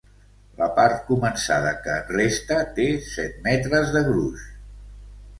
La part començada que en resta té set metres de gruix.